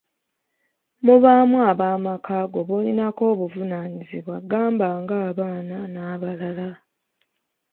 Mubaamu ab'amakaago b'olinako obuvunaanyizibwa gamba ng'abaana n'abalala.